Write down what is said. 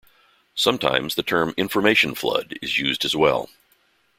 Sometimes the term "information flood" is used as well.